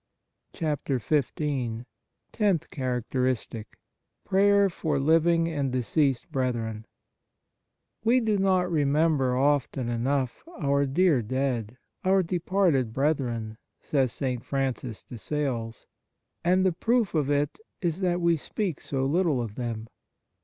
34 XV TENTH CHARACTERISTIC Prayer for living and deceased brethren " WE do not remember often enough our dear dead, our departed brethren," says St. Francis de Sales, " and the proof of it is that we speak so little of them.